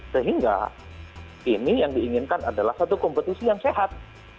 sehingga ini yang diinginkan adalah satu kompetisi yang sehat